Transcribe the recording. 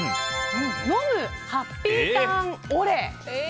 飲むハッピーターンオ・レ。